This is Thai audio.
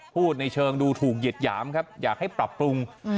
ในเชิงดูถูกเหยียดหยามครับอยากให้ปรับปรุง